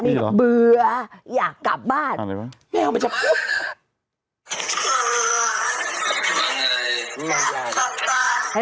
นี่เหรออยากกลับบ้านแนวมันจะเปล่า